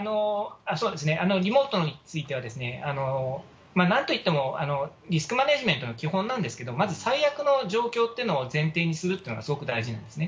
リモートについては、なんといってもリスクマネージメントの基本なんですけど、まず最悪の状況っていうのを前提にするっていうのが、すごく大事なんですね。